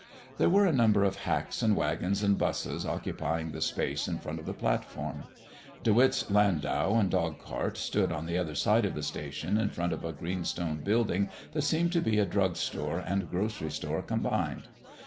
There were a number of hacks and wagons and 'busses occupying the space in front of the platform. De Witt's landau and dog cart stood on the other side of the station in front of a greenstone building that seemed to be a drug store and grocery store combined.